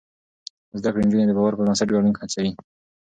زده کړې نجونې د باور پر بنسټ ګډون هڅوي.